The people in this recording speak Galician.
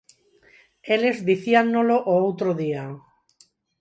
Eles dicíannolo o outro día.